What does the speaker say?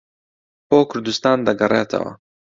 بۆ کوردستان دەگەڕێتەوە